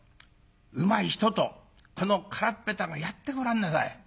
うまい人と空っ下手がやってごらんなさい。